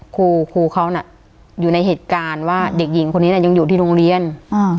ครูครูเขาน่ะอยู่ในเหตุการณ์ว่าเด็กหญิงคนนี้น่ะยังอยู่ที่โรงเรียนอ่า